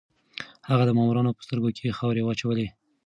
هغه د مامورانو په سترګو کې خاورې واچولې.